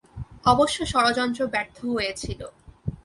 অবশ্য ষড়যন্ত্র ব্যর্থ হয়েছিল।